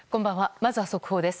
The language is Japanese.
まずは速報です。